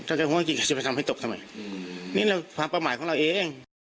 ถ้าใจหัวจริงเราจะไปทำให้ตกทำไมนี่เราความประมาทของเราเอง